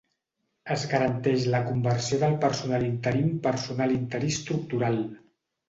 Es garanteix la conversió del personal interí en personal interí estructural.